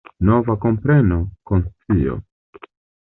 Nova kompreno, konscio.